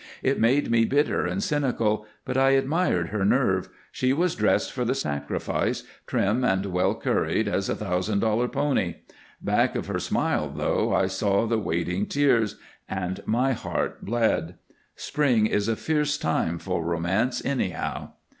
It made me bitter and cynical, but I admired her nerve she was dressed for the sacrifice, trim and well curried as a thousand dollar pony. Back of her smile, though, I saw the waiting tears, and my heart bled. Spring is a fierce time for romance, anyhow.